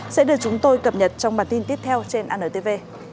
sẽ được chúng tôi cập nhật trong bản tin tiếp theo trên antv